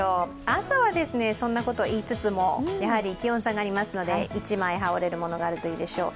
朝はそんなこと言いつつも、やはり気温差がありますので１枚羽織れるものがあるといいでしょう。